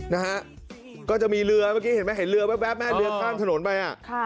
นะฮะก็จะมีเรือเมื่อกี้เห็นไหมเรือแวบเรือข้างถนนไป